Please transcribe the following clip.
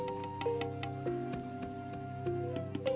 juno dan kecoweta asira